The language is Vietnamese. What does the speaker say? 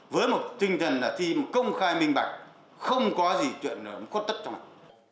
với một tinh thần là thi công khai minh bạc không có gì chuyển khuất tất trong này